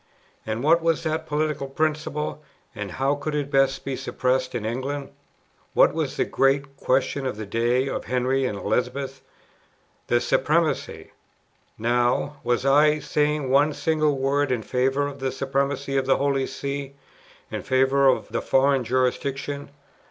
And what was that political principle, and how could it best be suppressed in England? What was the great question in the days of Henry and Elizabeth? The Supremacy; now, was I saying one single word in favour of the Supremacy of the Holy See, in favour of the foreign jurisdiction?